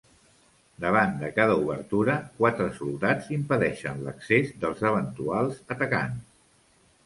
Davant de cada obertura, quatre soldats impedeixen l'accés dels eventuals atacants.